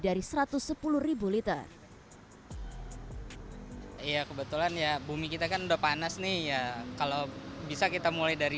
dari satu ratus sepuluh liter ya kebetulan ya bumi kita kan udah panas nih ya kalau bisa kita mulai dari